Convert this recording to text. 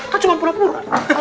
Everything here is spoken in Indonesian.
kan cuma pura pura